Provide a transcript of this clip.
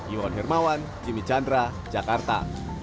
iwan hermawan jimmy chandra jakarta